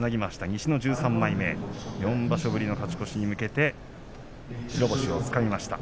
西の１３枚目４場所ぶりの勝ち越しに向けて白星をつかみました。